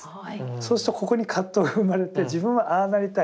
そうするとここに葛藤が生まれて自分はああなりたい。